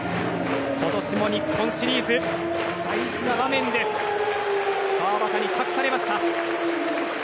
今年も日本シリーズ大事な場面で川端に託されました。